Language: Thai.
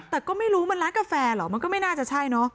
แต่ก็ไม่รู้มันร้านกาแฟเหรอมันก็ไม่น่าจะใช่เนอะ